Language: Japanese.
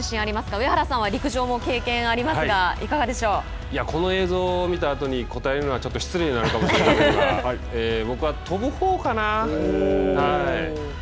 上原さんは陸上も経験ありますがこの映像を見たあとに答えるのはちょっと失礼になるかも分かりませんが僕は跳ぶほうかな。